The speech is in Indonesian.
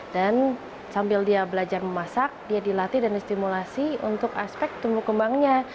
dan sambil dia belajar memasak dia dilatih dan distimulasi untuk aspek tumbuh kembangnya